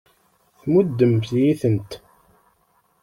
Tmuddemt-iyi-tent.